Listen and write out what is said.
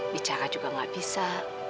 bicara juga gak bisa